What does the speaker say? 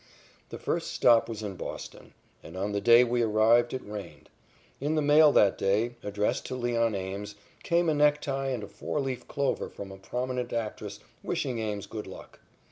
The first stop was in Boston, and on the day we arrived it rained. In the mail that day, addressed to Leon Ames, came a necktie and a four leaf clover from a prominent actress, wishing Ames good luck.